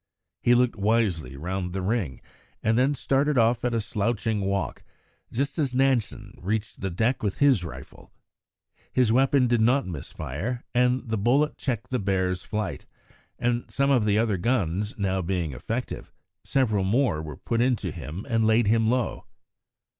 He looked wisely round the ring and then started off at a slouching walk, just as Nansen reached the deck with his rifle. His weapon did not misfire, and a bullet checked the bear's flight, and, some of the other guns now being effective, several more were put into him and laid him low.